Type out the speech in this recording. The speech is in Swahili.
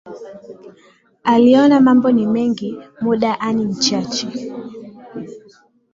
Aliona mambo ni mengi mud ani mchache